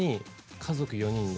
家族４人で？